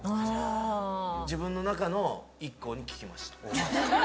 自分の中のＩＫＫＯに聞きました。